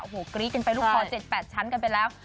โอ้โหกรี๊ดกันไปลูกคอ๗๘ชั้นกันไปแล้ว